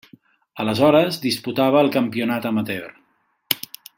Aleshores disputava el campionat amateur.